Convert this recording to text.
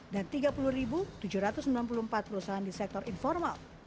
dan tiga puluh tujuh ratus sembilan puluh empat perusahaan di sektor informal